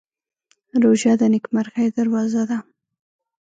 روژه د نېکمرغۍ دروازه ده.